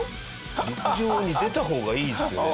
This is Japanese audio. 陸上に出た方がいいですよね。